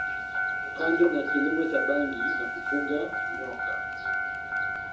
Kando na kilimo cha bangi na kufuga nyoka